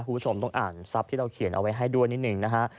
คุณผู้ชมต้องอ่านทรัพย์ที่เราเขียนเอาไว้ให้ด้วยนิดหนึ่งนะฮะ